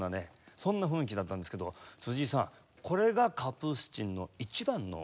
そんな雰囲気だったんですけど辻井さんこれがカプースチンの一番の魅力なんですか？